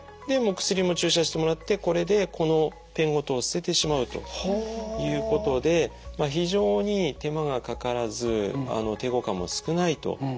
でもう薬も注射してもらってこれでこのペンごと捨ててしまうということで非常に手間がかからず抵抗感も少ないと。